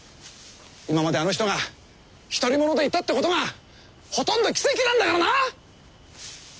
今まであの人が独り者でいたってことがほとんど奇跡なんだからな！